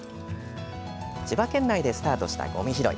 千葉県内でスタートしたごみ拾い。